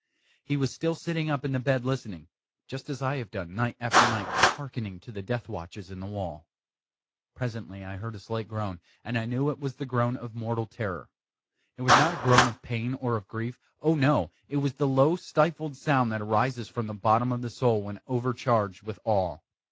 He was still sitting up in the bed listening; just as I have done, night after night, hearkening to the death watches in the wall. Presently I heard a slight groan, and I knew it was the groan of mortal terror. It was not a groan of pain or of grief oh, no! it was the low stifled sound that arises from the bottom of the soul when overcharged with awe.